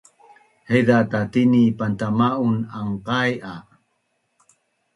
Haiza tatini pantama’un anqai a